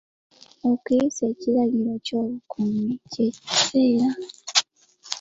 Okuyisa ekiragiro ky'obukuumi eky'ekiseera.